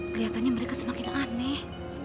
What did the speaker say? keliatannya mereka semakin aneh